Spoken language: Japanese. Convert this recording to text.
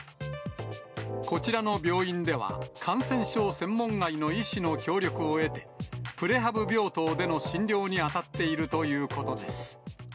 こちらの病院では、感染症専門外の医師の協力を得て、プレハブ病棟での診療に当たっているということです。